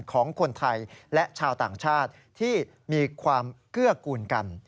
ของคนไทยและชาวต่างชาติที่มีความเกื้อกูลกัน